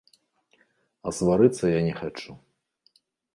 А сварыцца я не хачу.